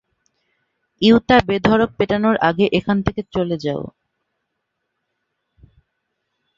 Yuta বেধড়ক পেটানোর আগে এখান থেকে চলে যাও!